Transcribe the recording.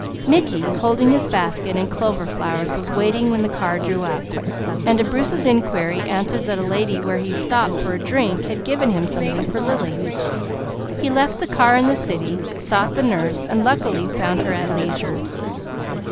Mickey holding his basket and clover flowers was waiting when the car drew up, and to Bruce's inquiry answered that a lady where he stopped for a drink had given him something for Lily. He left the car in the city, sought the nurse and luckily found her at leisure.